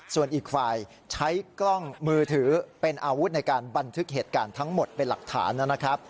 ส่วนอีกฝ่ายใช้กล้องมือถือเป็นอาวุธในการบันทึกเหตุการณ์ทั้งหมดเป็นหลักฐานนะครับ